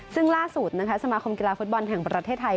ซึ่งล่าสุดนะคะสมาคมกีฬาฟุตบอลแห่งประเทศไทย